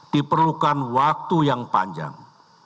diperlukan waktu yang panjang